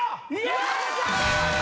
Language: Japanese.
よっしゃー！